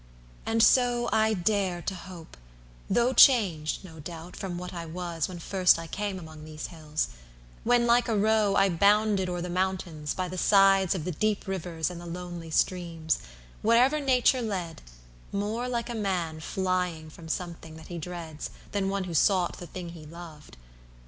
And so I dare to hope, Though changed, no doubt, from what I was when first I came among these hills; when like a roe I bounded o'er the mountains, by the sides Of the deep rivers, and the lonely streams, Wherever nature led: more like a man 70 Flying from something that he dreads, than one Who sought the thing he loved.